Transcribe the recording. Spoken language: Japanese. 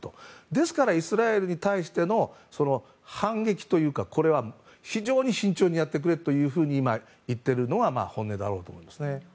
ですからイスラエルに対して反撃というか非常に慎重にやってくれと言っているのは本音だと思うんですね。